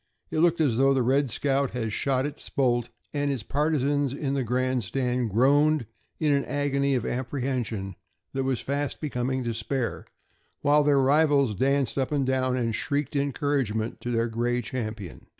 It looked as though the "Red Scout" had "shot its bolt," and its partisans in the grandstand groaned in an agony of apprehension that was fast becoming despair, while their rivals danced up and down and shrieked encouragement to their gray champion.